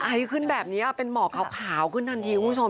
ไอขึ้นแบบนี้เป็นหมอกขาวขึ้นทันทีคุณผู้ชม